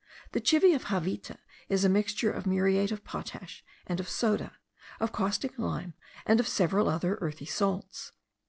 The chivi of Javita is a mixture of muriate of potash and of soda, of caustic lime, and of several other earthy salts.